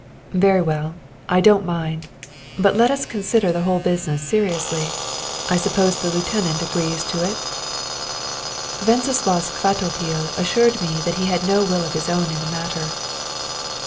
"Very well, I don't mind. But let us consider the whole business seriously. I suppose the lieutenant agrees to it?" Wenceslaus Kvatopil assured me that he had no will of his own in the matter.